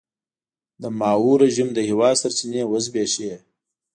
د ماوو رژیم د هېواد سرچینې وزبېښي.